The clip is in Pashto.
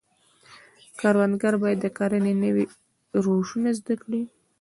کروندګر باید د کرنې نوي روشونه زده کړي.